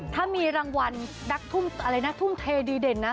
ถ้ามีรางวัลนักทุ่มเทดีเด่นนะ